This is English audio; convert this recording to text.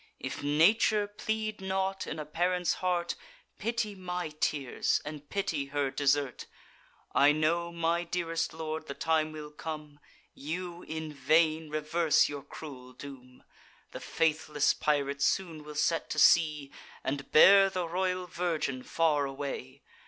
If nature plead not in a parent's heart, Pity my tears, and pity her desert. I know, my dearest lord, the time will come, You'd in vain, reverse your cruel doom; The faithless pirate soon will set to sea, And bear the royal virgin far away!